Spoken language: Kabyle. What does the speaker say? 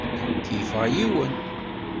Keyyfeɣ yiwen.